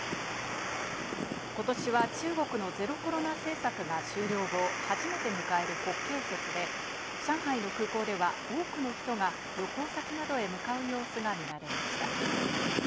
ことしは中国のゼロコロナ政策が終了後、初めて迎える国慶節で、上海の空港では多くの人が旅行先などへ向かう様子が見られました。